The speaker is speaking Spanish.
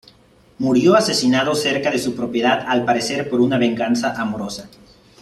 Murió asesinado cerca de su propiedad, al parecer por una venganza amorosa.